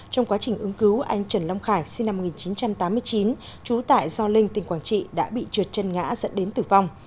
trong quá trình ứng cứu anh trần long khải sinh năm một nghìn chín trăm tám mươi chín trú tại gio linh tỉnh quảng trị đã bị trượt chân ngã dẫn đến tử vong